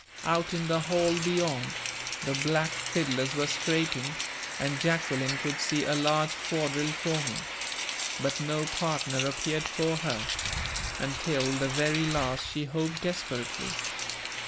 Out in the hall beyond, the black fiddlers were scraping, and Jacqueline could see a large quadrille forming. But no partner appeared for her. Until the very last she hoped desperately.